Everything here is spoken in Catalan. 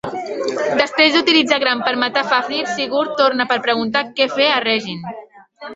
Després d'utilitzar Gram per matar Fafnir, Sigurd torna per preguntar què fer a Reginn.